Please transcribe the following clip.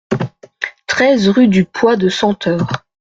treize rue du Pois de Senteur